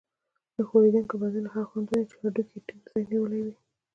نه ښورېدونکي بندونه هغه بندونه دي چې هډوکي یې ټینګ ځای نیولی وي.